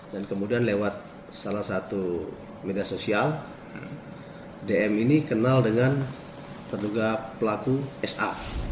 dan kemudian lewat salah satu media sosial dm ini kenal dengan petugas pelaku sa